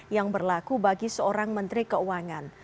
yang berlaku bagi seorang menteri keuangan